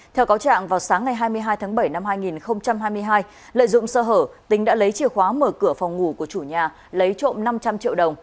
theo cáo trạng vào sáng ngày hai mươi hai tháng bảy năm hai nghìn hai mươi hai lợi dụng sơ hở tính đã lấy chìa khóa mở cửa phòng ngủ của chủ nhà lấy trộm năm trăm linh triệu đồng